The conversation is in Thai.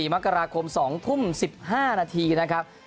มกราคม๒ทุ่ม๑๕นาทีนะครับ